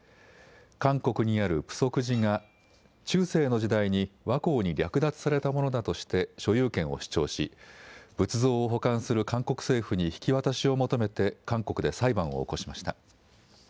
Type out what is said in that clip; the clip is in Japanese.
韓国にあるプソク寺が中世の時代に倭寇に略奪されたものだとして所有権を主張し仏像を保管する韓国政府に引き渡しを求めて韓国で裁判を起こしました。